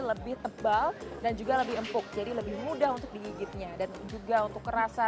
lebih tebal dan juga lebih empuk jadi lebih mudah untuk digigitnya dan juga untuk kerasa